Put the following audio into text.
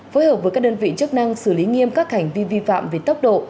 phối hợp với các đơn vị chức năng xử lý nghiêm các hành vi vi phạm về tốc độ